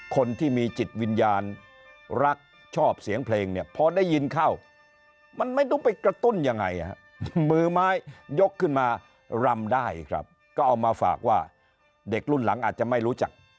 คนที่มีจิตวิญญาณรักชอบเสียงเพลงเนี่ยพอได้ยินเข้ามันไม่รู้ไปกระตุ้นยังไงมือไม้ยกขึ้นมารำได้ครับก็เอามาฝากว่าเด็กรุ่นหลังอาจจะไม่รู้จัก